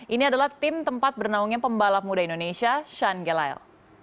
ini adalah tim tempat bernaungnya pembalap muda indonesia shan gelayle